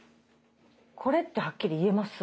これってはっきり言えます？